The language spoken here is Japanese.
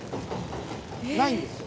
ないんですよ